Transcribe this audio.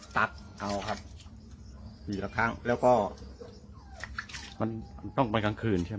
ตัดเอาครับปีละครั้งแล้วก็มันต้องไปกลางคืนใช่ไหม